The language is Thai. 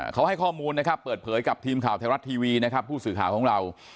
เค้าให้ข้อมูลเปิดเผยกับทีมข่าวเทครัตร์ทีวีผู้สื่อข่าวของเรา